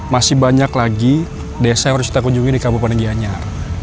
masih banyak lagi desa yang harus kita kunjungi di kabupaten gianyar